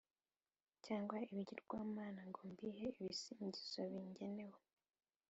cyangwa ibigirwamana ngo mbihe ibisingizo bingenewe.